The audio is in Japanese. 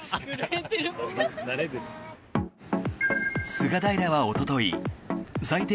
菅平はおととい最低